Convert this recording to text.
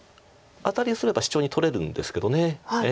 アタリすればシチョウに取れるんですけど。